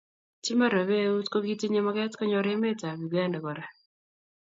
chemarobei eut ko kitinye maget konyor emet ab uganda kora